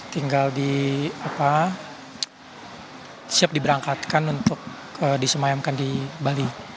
tinggal siap diberangkatkan untuk disemayamkan di bali